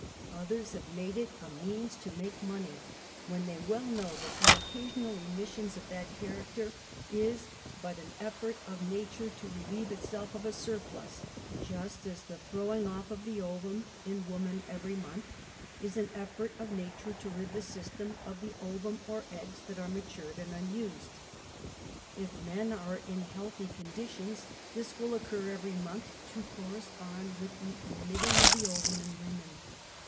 Others have made it a means to make money ^. when they w^ell know that the occasional emissions of that character is^ bnt an effort of nature to re* >^lieve itself of a surplus, just as the throwing off of the ovum in woman every month, is an effort of nature to rid the system of the ovum or eggs that s^, are matured and unused. If men are in healthy conditions this will occur every month, to corre ^ spond wdth the emitting of the ovum in women.